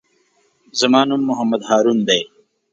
زما نوم محمد هارون دئ.